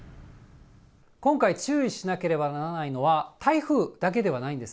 今回、注意しなければならないのは台風だけではないんです。